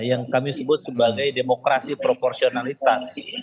yang kami sebut sebagai demokrasi proporsionalitas